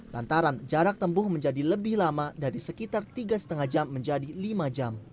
lantaran jarak tempuh menjadi lebih lama dari sekitar tiga lima jam menjadi lima jam